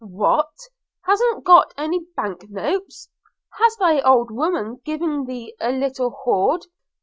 'What! hast got any bank notes? has thy old woman given thee a little hoard?